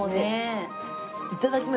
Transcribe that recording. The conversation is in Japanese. いただきま。